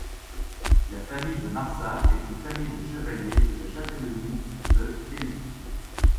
La famille de Marsa est une famille de chevaliers de la châtellenie de Caylus.